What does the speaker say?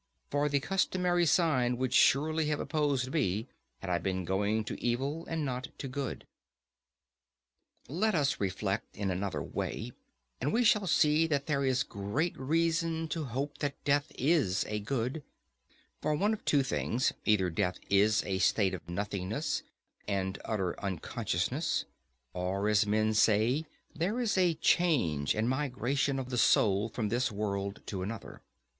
For the customary sign would surely have opposed me had I been going to evil and not to good. Let us reflect in another way, and we shall see that there is great reason to hope that death is a good; for one of two things—either death is a state of nothingness and utter unconsciousness, or, as men say, there is a change and migration of the soul from this world to another.